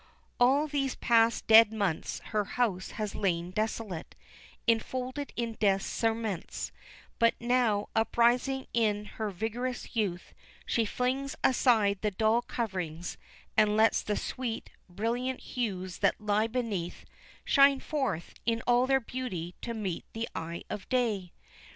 All these past dead months her house has lain desolate, enfolded in death's cerements, but now uprising in her vigorous youth, she flings aside the dull coverings, and lets the sweet, brilliant hues that lie beneath, shine forth in all their beauty to meet the eye of day.